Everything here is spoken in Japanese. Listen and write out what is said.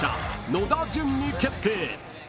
野田潤に決定！］